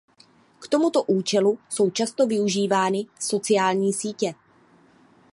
K tomuto účelu jsou často využívány sociální sítě.